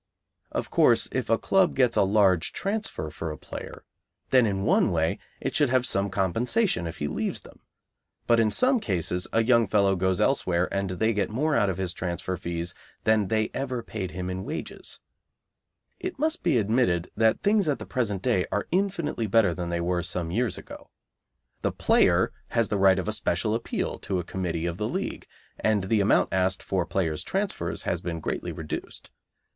Of course, if a club gets a large transfer for a player, then in one way it should have some compensation if he leaves them, but in some cases a young fellow goes elsewhere and they get more out of his transfer fees than they ever paid him in wages. It must be admitted that things at the present day are infinitely better than they were some years ago. The player has the right of a special appeal to a Committee of the League, and the amount asked for players' transfers has been greatly reduced.